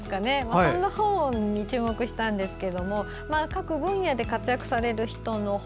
そんな本に注目したんですけど各分野で活躍される人の本。